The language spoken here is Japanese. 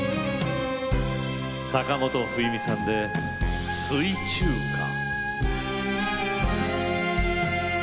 坂本冬美さんで「酔中花」。